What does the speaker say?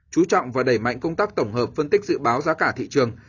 chú trọng và đẩy mạnh công tác tổng hợp phân tích dự báo giá cả thị trường